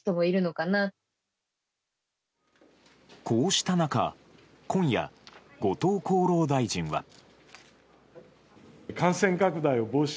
こうした中、今夜後藤厚労大臣は。